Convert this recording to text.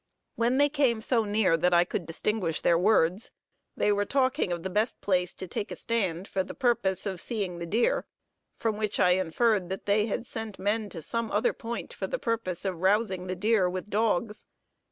When they came so near that I could distinguish their words, they were talking of the best place to take a stand for the purpose of seeing the deer; from which I inferred that they had sent men to some other point, for the purpose of rousing the deer with dogs.